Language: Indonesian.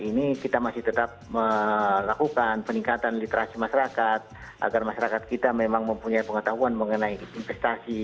ini kita masih tetap melakukan peningkatan literasi masyarakat agar masyarakat kita memang mempunyai pengetahuan mengenai investasi